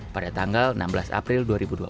pada tanggal enam maret